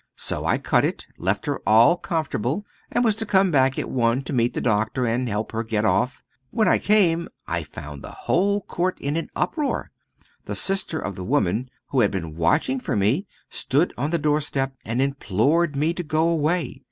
So I cut it, left her all comfortable, and was to come back at one to meet the doctor and help get her off. When I came, I found the whole court in an uproar. The sister of the woman, who had been watching for me, stood on the doorstep, and implored me to go away.